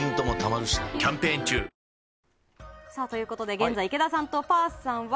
現在、池田さんとパースさんは